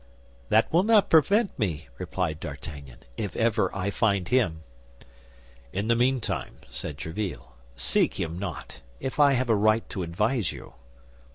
"That will not prevent me," replied D'Artagnan, "if ever I find him." "In the meantime," said Tréville, "seek him not—if I have a right to advise you."